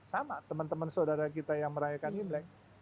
sama teman teman saudara kita yang merayakan imlek